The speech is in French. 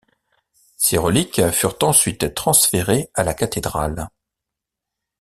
Ses reliques furent ensuite transférées à la cathédrale.